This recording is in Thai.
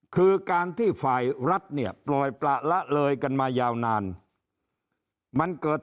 คือการที่ฝ่ายรัฐเนี่ยปล่อยประละเลยกันมายาวนานมันเกิด